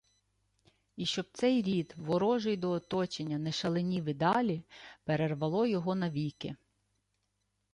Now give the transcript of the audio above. І щоб цей рід, ворожий до оточення, не шаленів і далі, – перервало його навіки